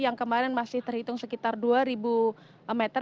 yang kemarin masih terhitung sekitar dua ribu meter